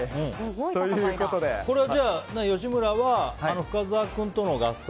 じゃあ、吉村は深澤君との合算。